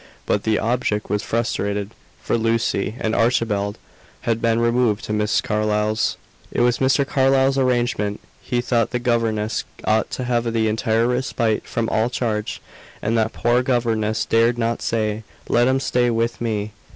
But the object was frustrated, for Lucy and Archibald had been removed to Miss Carlyle's. It was Mr. Carlyle's arrangement. He thought the governess ought to have entire respite from all charge; and that poor governess dared not say, let them stay with me.